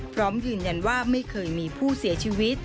พร้อมยืนยันว่าไม่เคยมีผู้เสียชีวิต